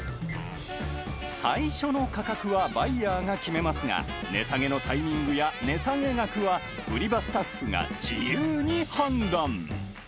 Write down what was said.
最初の価格はバイヤーが決めますが、値下げのタイミングや値下げ額は、売り場スタッフが自由に判断。